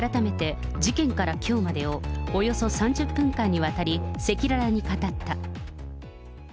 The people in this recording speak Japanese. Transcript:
改めて事件からきょうまでをおよそ３０分間にわたり赤裸々に語った。